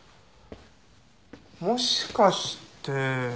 もしかして。